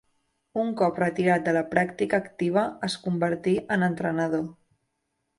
Un cop retirat de la pràctica activa es convertí en entrenador.